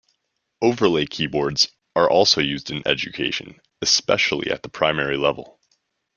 Overlay keyboards are also used in education, especially at the primary level.